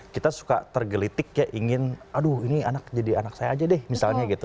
kita suka tergelitik ya ingin aduh ini anak jadi anak saya aja deh misalnya gitu